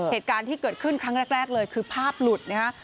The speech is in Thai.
เหตุการณ์ที่เกิดขึ้นครั้งแรกเลยคือภาพหลุดนะฮะ